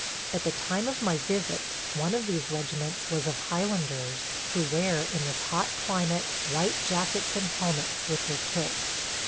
At the time of my visit one of these regiments was of Highlanders who wear in this hot climate white jackets and helmets with their kilts.